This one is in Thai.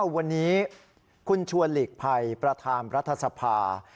วันนี้คุณชวนหลีกภัยประธานรัฐสภา